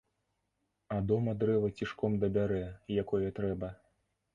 А дома дрэва цішком дабярэ, якое трэба.